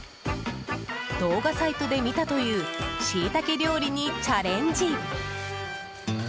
動画サイトで見たというシイタケ料理にチャレンジ。